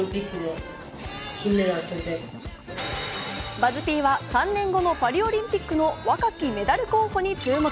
ＢＵＺＺ−Ｐは３年後のパリオリンピックの若きメダル候補に注目。